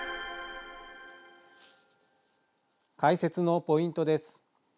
解説のポイントです。